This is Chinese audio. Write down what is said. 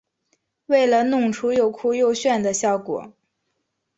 为了弄出又酷又炫的效果